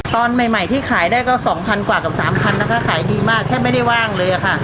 ตอนใหม่ใหม่ที่ขายได้ก็สองพันกว่ากับสามพันนะคะขายดีมากแค่ไม่ได้ว่างเลยอ่ะค่ะ